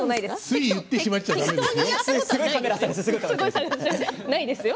つい言ってしまってはだめですよ。